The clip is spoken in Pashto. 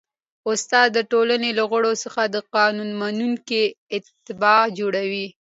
استاد د ټولني له غړو څخه د قانون منونکي اتباع جوړوي.